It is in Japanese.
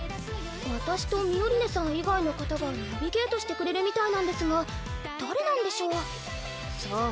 私とミオリネさん以外の方がナビゲートしてくれるみたいなんですが誰なんでしょう？さあ？